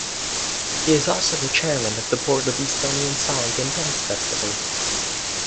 He is also the chairman of the Board of Estonian Song and Dance Festival.